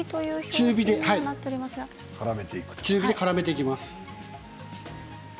中火でからめていきます。